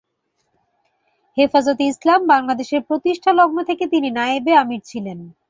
হেফাজতে ইসলাম বাংলাদেশের প্রতিষ্ঠালগ্ন থেকে তিনি নায়েবে আমীর ছিলেন।